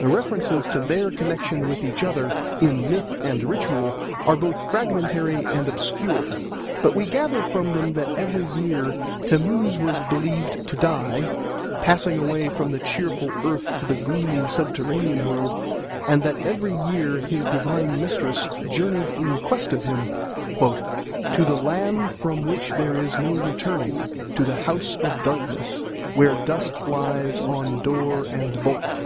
The references to their connexion with each other in myth and ritual are both fragmentary and obscure, but we gather from them that every year Tammuz was believed to die, passing away from the cheerful earth to the gloomy subterranean world, and that every year his divine mistress journeyed in quest of him "to the land from which there is no returning, to the house of darkness, where dust lies on door and bolt."